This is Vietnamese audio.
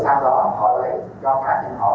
sau đó họ lại cho pháp cho họ